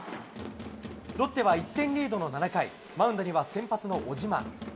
ロッテは１点リードの７回マウンドには先発の小島。